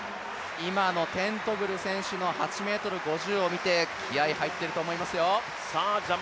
今のテントグル選手の８ｍ５０を見て気合い入ってると思いますよ。